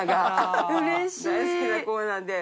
大好きなコーナーで。